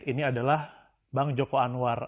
ini adalah bang joko anwar